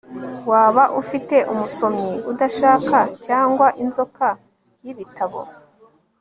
Waba ufite umusomyi udashaka cyangwa inzoka yibitabo